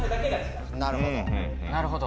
なるほど。